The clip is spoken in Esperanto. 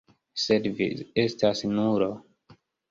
Sed vi estas nulo.